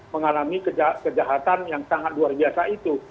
mengalami kejahatan yang sangat luar biasa itu